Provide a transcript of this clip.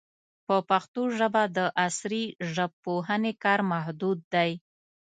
په پښتو ژبه د عصري ژبپوهنې کار محدود دی.